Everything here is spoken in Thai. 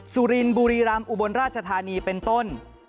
สุรินบุรีรำอุบลราชธานีเป็นต้น